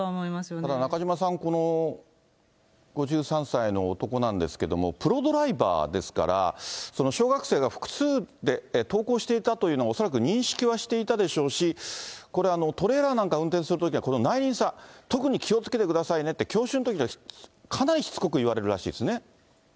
ただ中島さん、この５３歳の男なんですけれども、プロドライバーですから、小学生が複数で登校していたというのは、恐らく認識はしていたでしょうし、これ、トレーラーなんか運転するときは、この内輪差、特に気をつけてくださいねって、教習のときにはかなりしつこく言われるらしいですね。